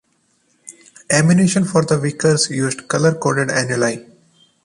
Ammunition for the Vickers used colour-coded annuli.